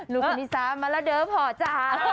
ลูกคนที่สามมาแล้วเดิมพอจ๊ะ